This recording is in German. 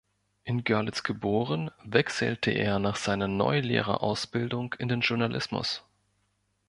In Görlitz geboren, wechselte er nach seiner Neulehrer-Ausbildung in den Journalismus.